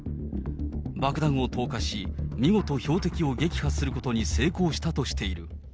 爆弾を投下し、見事標的を撃破することに成功したとしている。